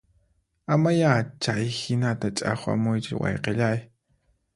Ama ya chayhinata ch'aqwamuychu wayqillay